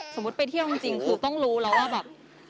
ไปเที่ยวจริงคือต้องรู้แล้วว่าแบบ